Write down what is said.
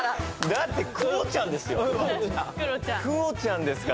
だってＱＵＯちゃんですよ。